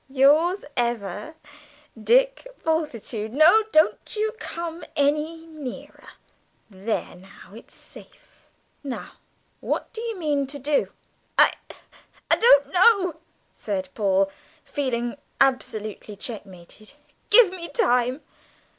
'yours ever, Dick Bultitude.' No, you don't come any nearer ... there, now it's safe.... Now what do you mean to do?" "I I don't know," said Paul, feeling absolutely checkmated. "Give me time."